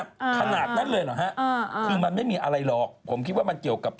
คุณแป้ไม่มีแสงและเงา